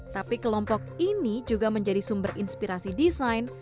tapi kelompok ini juga menjadi sumber inspirasi desain